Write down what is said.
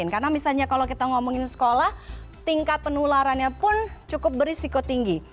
karena misalnya kalau kita ngomongin sekolah tingkat penularannya pun cukup berisiko tinggi